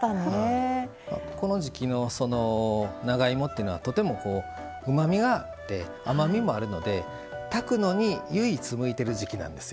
この時季の長芋というのはとてもうまみがあって甘みもあるので炊くのに唯一向いてる時季なんですよ。